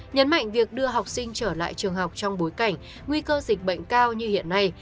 nhấn mạnh việc đưa học sinh trở lại trường học trong bối cảnh nguy cơ dịch bệnh cao như hiện nay